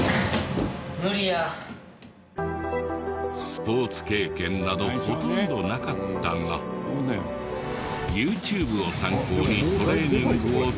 スポーツ経験などほとんどなかったがＹｏｕＴｕｂｅを参考にトレーニングを続けると。